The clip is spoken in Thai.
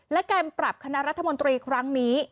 และการปรับคณะรัฐมนตรีครั้งนี้